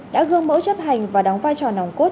đã gương mẫu chấp hành và đóng vai trò nòng cốt